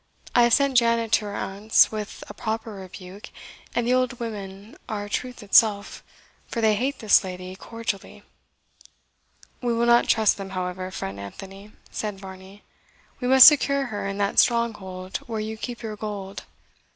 "I have sent Janet to her aunt's with a proper rebuke, and the old women are truth itself for they hate this lady cordially." "We will not trust them, however, friend Anthony," said Varney; "We must secure her in that stronghold where you keep your gold."